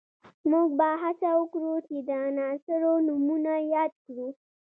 موږ به هڅه وکړو چې د عناصرو نومونه یاد کړو